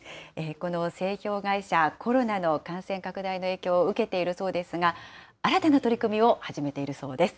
この製氷会社、コロナの感染拡大の影響を受けているそうですが、新たな取り組みを始めているそうです。